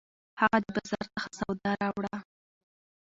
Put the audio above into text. هغه د بازار څخه سودا راوړه